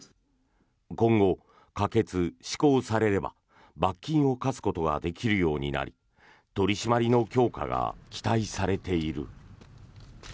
今後、可決・施行されれば罰金を科すことができるようになり取り締まりの強化が期待されている。